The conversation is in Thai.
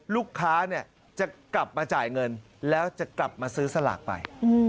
ลูกค้าจะกลับมาจ่ายเงินแล้วจะกลับมาซื้อสลากไป